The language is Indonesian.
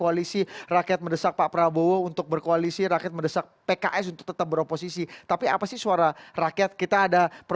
assalamualaikum warahmatullahi wabarakatuh